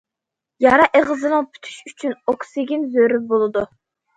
يارا ئېغىزىنىڭ پۈتۈشى ئۈچۈن ئوكسىگېن زۆرۈر بولىدۇ.